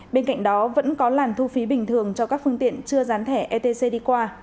bên cạnh đó vẫn có làn thu phí bình thường cho các phương tiện chưa dán thẻ etc đi qua